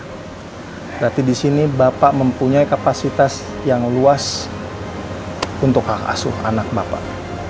berarti di sini bapak mempunyai kapasitas yang luas untuk hak asuh anak bapak